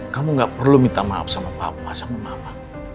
kamu gak perlu minta maaf sama papa sama mama